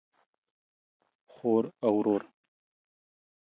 خور او ورور